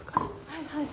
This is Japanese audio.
はいはい。